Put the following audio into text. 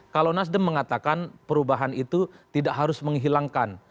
kalau nasdem mengatakan perubahan itu tidak harus menghilangkan